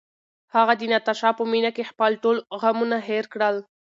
هغه د ناتاشا په مینه کې خپل ټول غمونه هېر کړل.